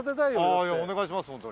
ああお願いします。